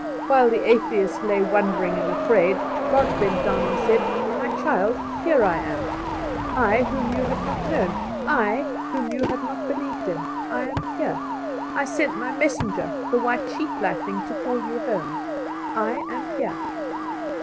While the atheist lay wondering and afraid, God bent down and said: "My child, here I am I, whom you have not known; I, whom you have not believed in; I am here. I sent My messenger, the white sheet lightning, to call you home. I am here."